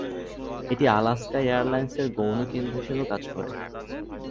এটি আলাস্কা এয়ারলাইন্সের গৌণ কেন্দ্র হিসাবেও কাজ করে।